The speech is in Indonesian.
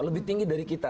lebih tinggi dari kita